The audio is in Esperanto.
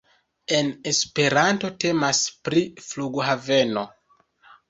En Esperanto temas pri Flughaveno.